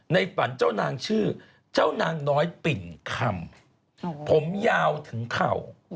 ฝันเจ้านางชื่อเจ้านางน้อยปิ่นคำผมยาวถึงเข่า